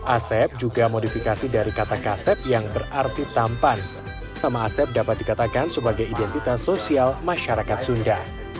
asep juga modifikasi dari kata kasep yang berarti tampan nama asep dapat dikatakan sebagai identitas sosial masyarakat sunda